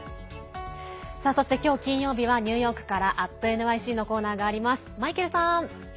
そして今日金曜日はニューヨークから「＠ｎｙｃ」のコーナーがあります。